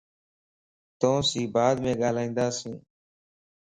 توسين بعد م ڳالھيائنداس